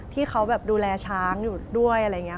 ที่เขาแบบดูแลช้างอยู่ด้วยอะไรอย่างนี้